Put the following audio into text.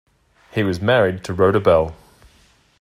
He was married to Rhoda Bell.